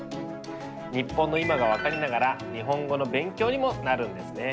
日本の今が分かりながら日本語の勉強にもなるんですね。